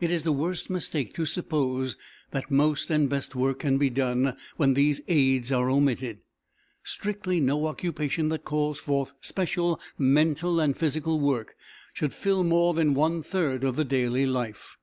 It is the worst mistake to suppose that most and best work can be done when these aids are omitted. Strictly, no occupation that calls forth special mental and physical work should fill more than one third of the daily life.